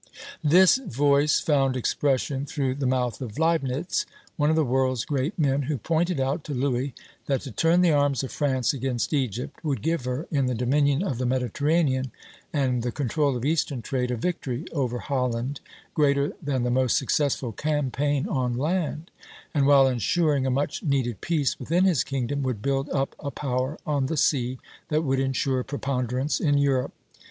" This voice found expression through the mouth of Leibnitz, one of the world's great men, who pointed out to Louis that to turn the arms of France against Egypt would give her, in the dominion of the Mediterranean and the control of Eastern trade, a victory over Holland greater than the most successful campaign on land; and while insuring a much needed peace within his kingdom, would build up a power on the sea that would insure preponderance in Europe.